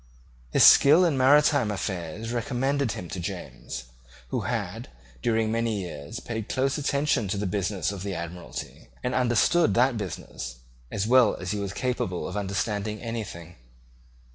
His skill in maritime affairs recommended him to James, who had, during many years, paid close attention to the business of the Admiralty, and understood that business as well as he was capable of understanding anything.